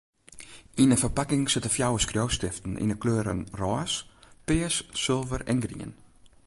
Yn in ferpakking sitte fjouwer skriuwstiften yn 'e kleuren rôs, pears, sulver en grien.